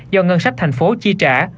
do ngân sách thành phố chi trả